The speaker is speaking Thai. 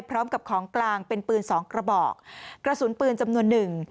พร้อมกับของกลางเป็นปืนสองกระบอกกระสุนปืนจำนวนหนึ่ง